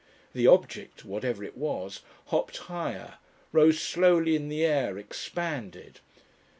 The object, whatever it was, hopped higher, rose slowly in the air, expanded.